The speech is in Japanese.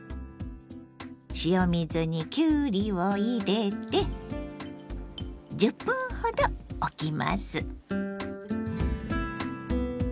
塩水にきゅうりを入れて１０分ほどおきます。